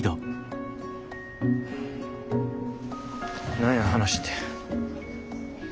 何や話って。